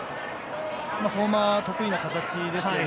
相馬の得意な形ですよね。